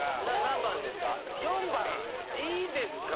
何番ですか？